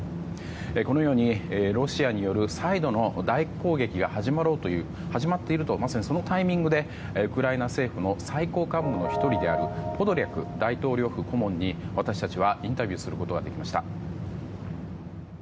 このように、ロシアによる再度の大攻撃が始まっているとまさにそのタイミングでウクライナ政府の最高幹部の１人であるポドリャク大統領府顧問に私たちはインタビューすることができました。